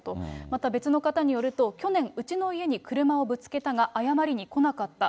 また別の方によると、去年、うちの家に車をぶつけたが、謝りに来なかった。